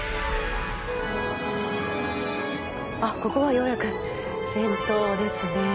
ここがようやく先頭ですね。